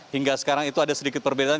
hingga sekarang itu ada sedikit perbedaan